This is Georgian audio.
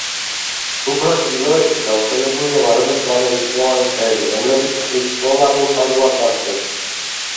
უფრო ჩრდილოეთით გავრცელებულია მარად მწვანე წიწვოვანი ტყეები, რომლებიც ტყის პოლარულ საზღვარს აღწევს.